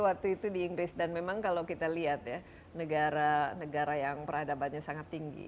waktu itu di inggris dan memang kalau kita lihat ya negara negara yang peradabannya sangat tinggi